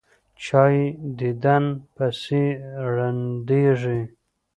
چا یې دیدن پسې ړندېږي.